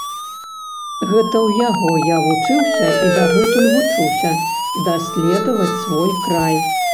Гэта ў яго я вучыўся і дагэтуль вучуся даследаваць свой край.